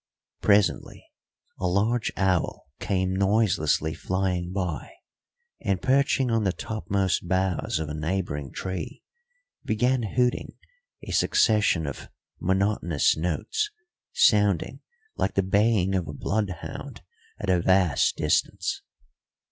Presently a large owl came noiselessly flying by, and, perching on the topmost boughs of a neighbouring tree, began hooting a succession of monotonous notes, sounding like the baying of a bloodhound at a vast distance.